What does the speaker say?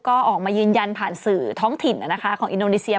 ก็ออกมายืนยันผ่านสื่อท้องถิ่นของอินโดนีเซีย